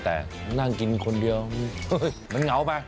แต่นั่งกินคนเดียวมันเหงาไป